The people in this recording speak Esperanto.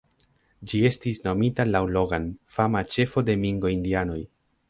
Ĝi estis nomita laŭ Logan, fama ĉefo de Mingo-indianoj.